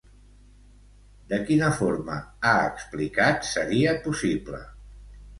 De quina forma ha explicat seria possible?